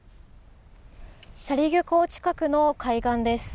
斜里漁港近くの海岸です。